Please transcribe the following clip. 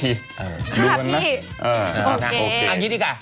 สิบหกช่วยดูเยอะโดยจะได้เป็นนักบอลกันสักทีค่ะพี่เอ่ออ่างี้ดีกว่า